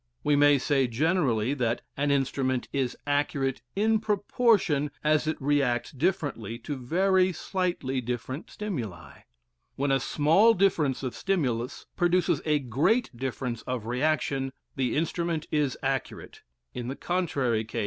We may say generally that an instrument is accurate in proportion as it reacts differently to very slightly different stimuli. When a small difference of stimulus produces a great difference of reaction, the instrument is accurate; in the contrary case it is not.